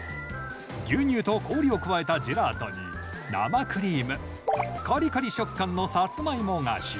牛乳と氷を加えたジェラートに生クリームカリカリ食感のサツマイモ菓子。